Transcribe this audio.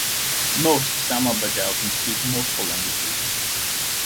Most Sama-Bajau can speak multiple languages.